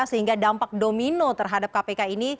sehingga dampak domino terhadap kpk ini